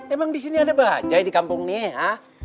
emang di sini ada bajaj di kampungnya